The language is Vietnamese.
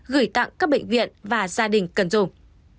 gửi tặng các bệnh viện và gia đình cần dùng